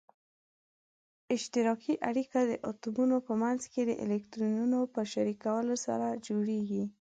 اشتراکي اړیکه د اتومونو په منځ کې د الکترونونو په شریکولو سره جوړیږي.